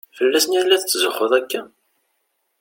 Fell-asen i la tetzuxxuḍ akka?